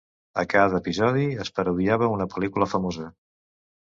A cada episodi es parodiava una pel·lícula famosa.